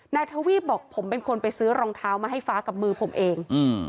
ทวีปบอกผมเป็นคนไปซื้อรองเท้ามาให้ฟ้ากับมือผมเอง